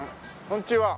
こんにちは。